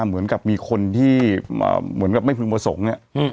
เหมือนกับมีคนที่เอ่อเหมือนกับไม่ธรรมสงฆ์เนี้ยอืม